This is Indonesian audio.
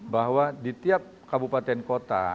bahwa di tiap kabupaten kota